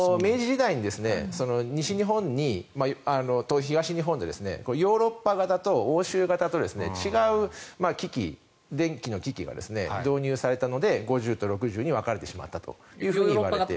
明治時代に西日本と東日本でヨーロッパ型と欧州型と違う機器電気の機器が導入されたので５０と６０に分かれてしまった。